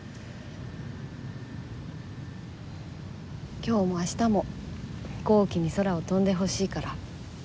今日も明日も飛行機に空を飛んでほしいから。